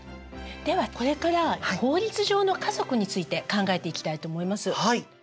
ではこれから法律上の家族について考えていきたいと思います。